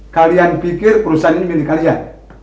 kalian pikir perusahaan ini milik kalian